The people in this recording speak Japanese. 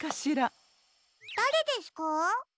だれですか？